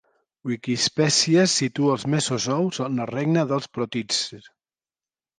Wikispecies situa els mesozous al regne dels protists.